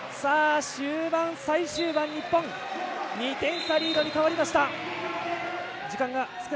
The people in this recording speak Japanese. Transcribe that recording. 最終盤で日本２点差リードに変わりました。